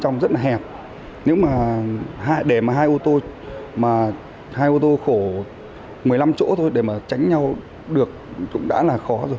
nếu mà để mà hai ô tô khổ một mươi năm chỗ thôi để mà tránh nhau được cũng đã là khó rồi